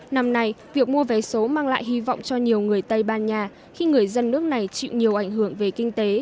năm nay việc mua vé số mang lại hy vọng cho nhiều người tây ban nha khi người dân nước này chịu nhiều ảnh hưởng về kinh tế